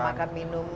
jangan makan minum